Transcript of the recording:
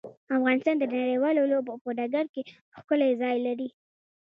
افغانستان د نړیوالو لوبو په ډګر کې ښکلی ځای لري.